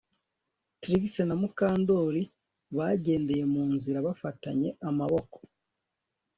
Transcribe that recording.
Trix na Mukandoli bagendeye mu nzira bafatanye amaboko